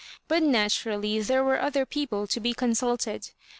But, naturally, there were other people to be con* suited.